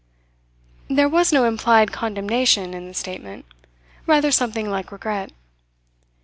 There was no implied condemnation in the statement; rather something like regret.